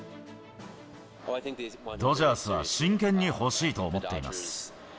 ドジャースは、真剣に欲しいと思っています。